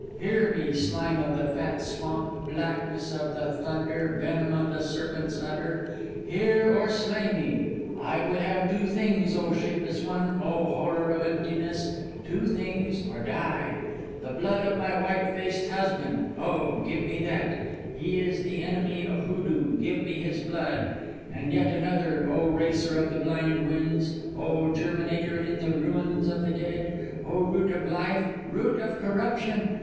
Hear me, slime of the fat swamp, blackness of the thunder, venom of the serpent's udder—hear or slay me! I would have two things, O shapeless one, O horror of emptiness—two things, or die! The blood of my white faced husband; oh! give me that; he is the enemy of Hoodoo; give me his blood! And yet another, O racer of the blind winds, O germinator in the ruins of the dead, O root of life, root of corruption!